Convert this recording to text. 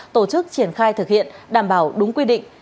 tổ chức triển khai thực hiện đảm bảo đúng quy định